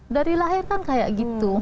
dari lahir kan kayak gitu